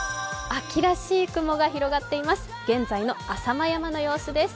秋らしい雲が広がっています。